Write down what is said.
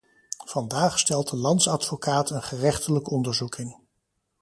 Vandaag stelt de landsadvocaat een gerechtelijk onderzoek in.